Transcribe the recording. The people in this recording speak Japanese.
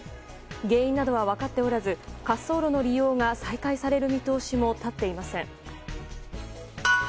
原因などは分かっておらず滑走路の利用が再開される見通しも立っていません。